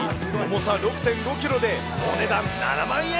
重さ６．５キロで、お値段７万円。